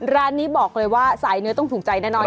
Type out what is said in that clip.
ร้านนี้บอกเลยว่าสายเนื้อต้องถูกใจแน่นอน